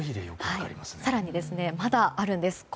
更に、まだあるんです。